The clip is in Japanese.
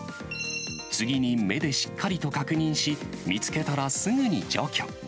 次に目でしっかりと確認し、見つけたらすぐに除去。